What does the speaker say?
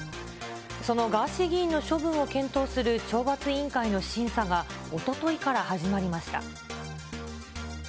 そのガーシー議員の処分を検討する懲罰委員会の審査が、おとといから始まりました。